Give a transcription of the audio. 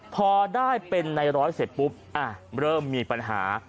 พอได้เป็นในร้อยเสร็จปุ๊บเริ่มมีปัญหา